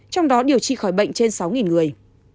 trong đó điều trị khỏi bệnh trên sáu người